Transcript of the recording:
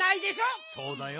そうだよ。